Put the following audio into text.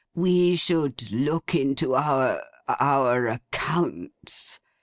We should look into our—our accounts.